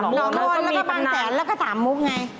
หนองมนตร์แล้วก็บางแสนแล้วก็สามุกไง